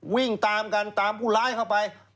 วิ่งตามกันตามผู้ร้ายเข้าไป